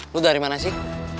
lu dari mana sih